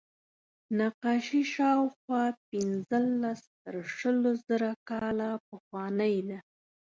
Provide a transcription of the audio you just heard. نقاشي شاوخوا پینځلس تر شلو زره کاله پخوانۍ ده.